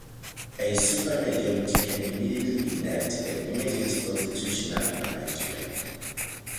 A supermajority can immediately enact an emergency constitutional amendment.